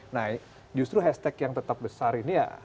nah justru hashtag yang tetap besar ini ya